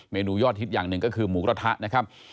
เนื้อยอดฮิตอย่างหนึ่งก็คือหมูกระทะนะครับ